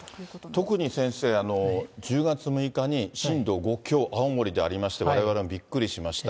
特に先生、１０月６日に震度５強、青森でありまして、われわれもびっくりしました。